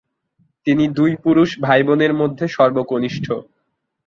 তিনি দুই পুরুষ ভাইবোনের মধ্যে সর্বকনিষ্ঠ।